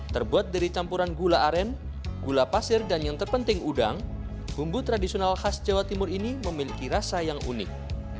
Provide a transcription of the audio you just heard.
terbuat dari campuran gula aren gula pasir dan yang terpenting udang bumbu tradisional khas jawa timur ini memiliki rasa yang unik